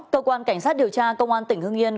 cơ quan cảnh sát điều tra công an tỉnh hưng yên